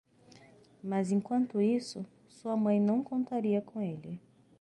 Mas enquanto isso, sua mãe não contaria com ele.